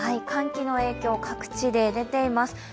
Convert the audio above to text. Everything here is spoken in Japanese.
寒気の影響、各地で出ています。